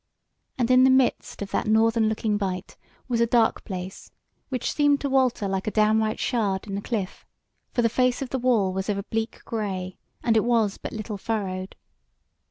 And in the midst of that northern looking bight was a dark place which seemed to Walter like a downright shard in the cliff. For the face of the wall was of a bleak grey, and it was but little furrowed.